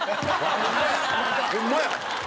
ホンマや！